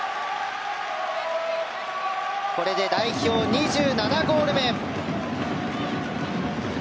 これで代表２７ゴール目。